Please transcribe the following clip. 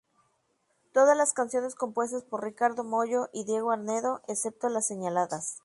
Todas las canciones compuestas por Ricardo Mollo y Diego Arnedo excepto las señaladas.